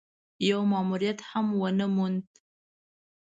يو ماموريت هم ونه موند.